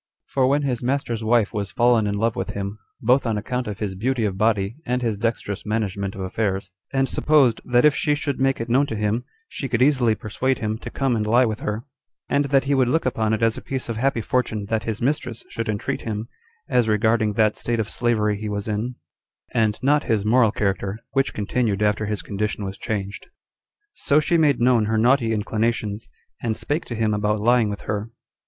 2. For when his master's wife was fallen in love with him, both on account of his beauty of body, and his dexterous management of affairs; and supposed, that if she should make it known to him, she could easily persuade him to come and lie with her, and that he would look upon it as a piece of happy fortune that his mistress should entreat him, as regarding that state of slavery he was in, and not his moral character, which continued after his condition was changed. So she made known her naughty inclinations, and spake to him about lying with her.